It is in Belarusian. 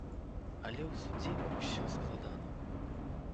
Але ў судзе ўсё складана.